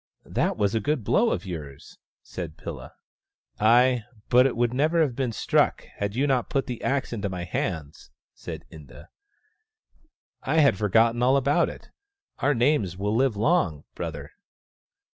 " That was a good blow of yours," said Pilla. " Ay, but it would never have been struck had you not put the axe into my hands," said Inda. " I had forgotten all about it . Our names will live long, brother."